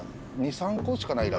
２３個しかない。